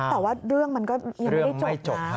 แต่ว่าเรื่องมันก็ยังไม่ได้จบนะ